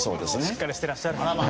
しっかりしてらっしゃる。